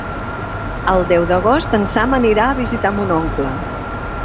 El deu d'agost en Sam anirà a visitar mon oncle.